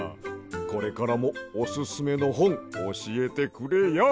これからもオススメのほんおしえてくれや。